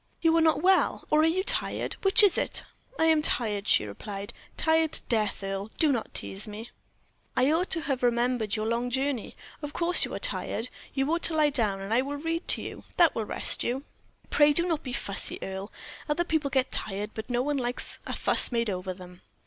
"You are not well, or are you tired; which is it?" "I am tired," she replied; "tired to death, Earle. Do not tease me." "I ought to have remembered your long journey of course you are tired. You ought to lie down, and I will read to you. That will rest you." "Pray, do not be fussy, Earle. Other people get tired, but no one likes a fuss made over them."